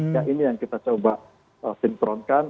ya ini yang kita coba sinkronkan